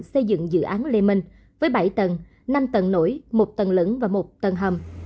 xây dựng dự án lê minh với bảy tầng năm tầng nổi một tầng lẫn và một tầng hầm